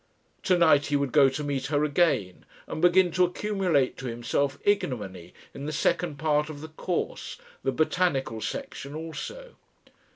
To night he would go to meet her again, and begin to accumulate to himself ignominy in the second part of the course, the botanical section, also.